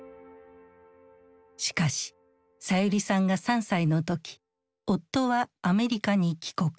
しかしさゆりさんが３歳の時夫はアメリカに帰国。